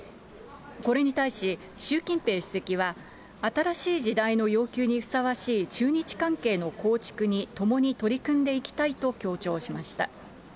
これに対し、習近平主席は、新しい時代の要求にふさわしい中日関係の構築に共に取り組んでいきたいと強調しました。